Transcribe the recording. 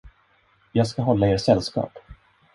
Jag skall hålla er sällskap.